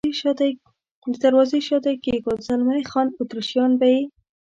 د دروازې شاته یې کېښود، زلمی خان: اتریشیان به یې.